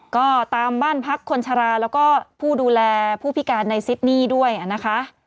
ก็ตามบ้านพักคนชะลาแล้วก็ผู้ดูแลผู้พิการในซิดนี่ด้วยนะคะ